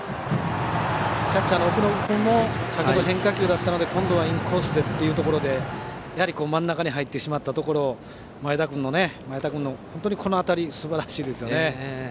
キャッチャーの奥信君も先ほど変化球だったので今度はインコースということで真ん中に入ってしまったところを前田君のこの当たりすばらしいですよね。